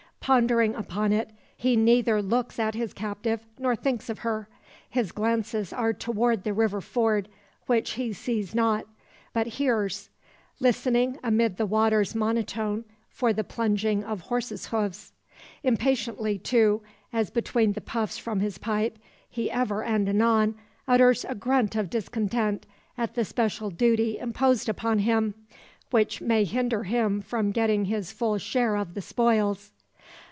Pondering upon it, he neither looks at his captive, nor thinks of her. His glances are toward the river ford, which he sees not, but I hears; listening amid the water's monotone for the plunging of horses hoofs. Impatiently, too, as between the puffs from his pipe, he ever and anon utters a grunt of discontent at the special duty imposed upon him, which may hinder him from getting his full share of the spoils.